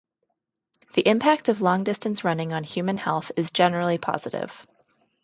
The impact of long-distance running on human health is generally positive.